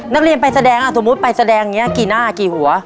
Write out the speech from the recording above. นักเรียนไปแสดงสมมุติไปแสดงอย่างนี้กี่หน้ากี่หัว